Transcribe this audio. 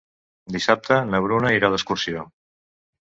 Dissabte na Bruna irà d'excursió.